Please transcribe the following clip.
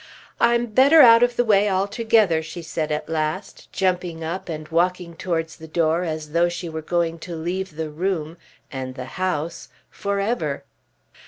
"I'm better out of the way altogether," she said at last, jumping up and walking towards the door as though she were going to leave the room, and the house, for ever.